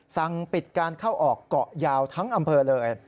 สั่งปิดการเข้าออกเกาะยาวทั้งอำเภอเลย